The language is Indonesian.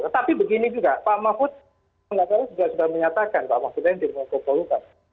tapi begini juga pak mahfud tidak salah juga sudah menyatakan pak mahfud yang dimengkukolkan